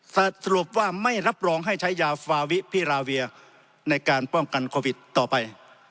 สรุปว่าไม่รับรองให้ใช้ยาฟาวิพิราเวียในการป้องกันโควิดต่อไป